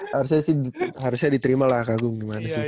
harusnya sih harusnya diterima lah kak gung gimana sih